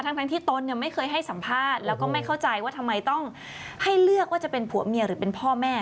ทั้งที่ตนเนี่ยไม่เคยให้สัมภาษณ์แล้วก็ไม่เข้าใจว่าทำไมต้องให้เลือกว่าจะเป็นผัวเมียหรือเป็นพ่อแม่